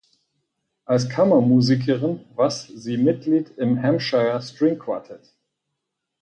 Als Kammermusikerin was sie Mitglied im "Hampshire String Quartet".